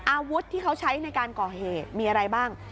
อาวุธที่เขาใช้ในการก่อเหตุมีอะไรบ้าง